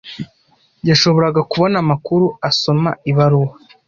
Yashoboraga kubona amakuru asoma ibaruwa.